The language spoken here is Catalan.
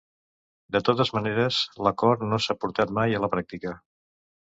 De totes maneres, l’acord no s’ha portat mai a la pràctica.